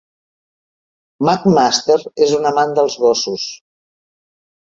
McMaster és un amant dels gossos.